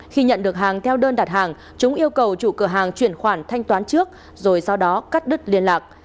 khi nhận được hàng theo đơn đặt hàng chúng yêu cầu chủ cửa hàng chuyển khoản thanh toán trước rồi sau đó cắt đứt liên lạc